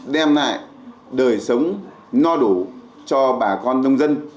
đem lại đời sống no đủ cho bà con nông dân